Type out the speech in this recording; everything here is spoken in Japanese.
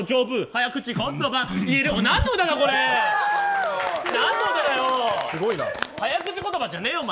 早口言葉じゃねぇよ。